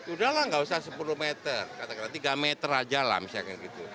udah lah gak usah sepuluh meter tiga meter aja lah misalnya gitu